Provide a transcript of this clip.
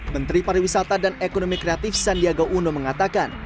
menteri pariwisata dan ekonomi kreatif sandiaga uno mengatakan